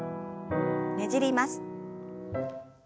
ねじります。